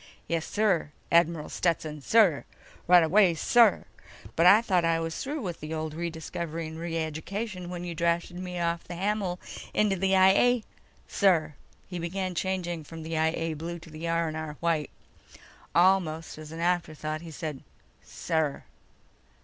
"Yes, sir, Admiral Stetson, sir. Right away, sir. But I thought I was through with old Rediscovery & Reeducation when you drafted me off of Hamal into the I A ... sir." He began changing from the I A blue to the R&R white. Almost as an afterthought, he said: "... Sir."